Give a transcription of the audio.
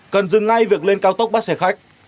cần dừng ngay việc lên cao tốc bắt xe khách